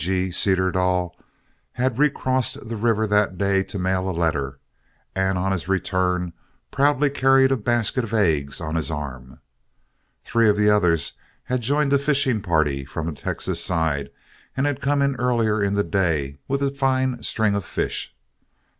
G G Cederdall had recrossed the river that day to mail a letter, and on his return proudly carried a basket of eggs on his arm. Three of the others had joined a fishing party from the Texas side, and had come in earlier in the day with a fine string of fish.